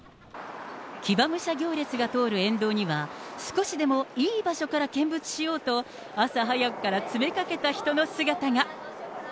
騎馬武者行列が通る沿道には、少しでもいい場所から見物しようと、朝早くから詰めかけた人の姿が。